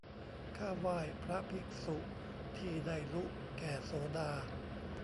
ข้าไหว้พระภิกษุ ที่ได้ลุแก่โสดา